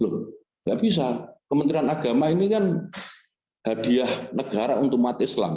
tidak bisa kementerian agama ini kan hadiah negara untuk umat islam